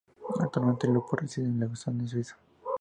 Actualmente, Lupu reside en Lausanne, Suiza.